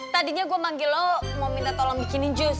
tadinya gue manggil lo mau minta tolong bikinin jus